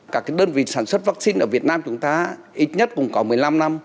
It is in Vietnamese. các đơn vị sản xuất vaccine ở việt nam chúng ta ít nhất cũng có một mươi năm năm